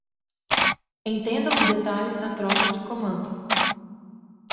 Entenda os detalhes da troca de comando